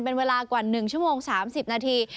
เป็นเวลากว่า๑ชั่วโมง๓๐นาที